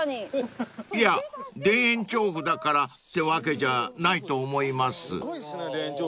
［いや田園調布だからってわけじゃないと思います］